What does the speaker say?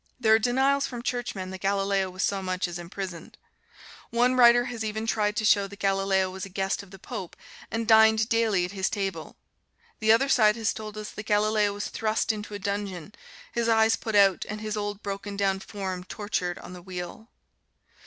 There are denials from Churchmen that Galileo was so much as imprisoned. One writer has even tried to show that Galileo was a guest of the Pope and dined daily at his table. The other side has told us that Galileo was thrust into a dungeon, his eyes put out, and his old broken down form tortured on the wheel.